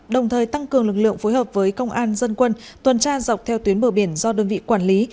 đồng thời tăng cường lực lượng phối hợp với công an dân quân tuần tra dọc theo tuyến bờ biển do đơn vị quản lý